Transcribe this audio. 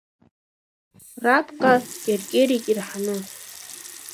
Раԥка кьыркьырит ирҳаны.